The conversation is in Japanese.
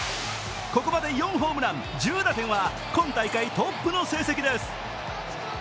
ここまで４ホームラン、１０打点は今大会トップの成績です。